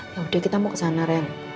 ya udah kita mau kesana ren